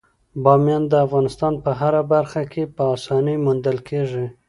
بامیان د افغانستان په هره برخه کې په اسانۍ موندل کېږي.